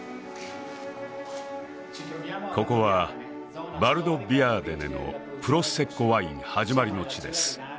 ここはヴァルドッビアーデネのプロセッコワイン始まりの地です